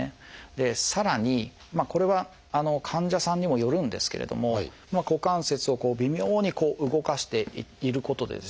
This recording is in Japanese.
でさらにこれは患者さんにもよるんですけれども股関節を微妙に動かしていることでですね